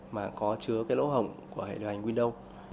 mà có chứa lỗ hổng của hệ đoàn windows